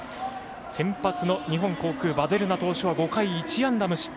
先発の日本航空ヴァデルナ投手は５回１安打の失点。